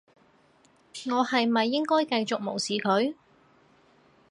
我係咪應該繼續無視佢？